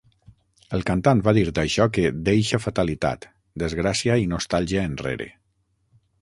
El cantant va dir d'això que "deixa fatalitat, desgràcia i nostàlgia enrere.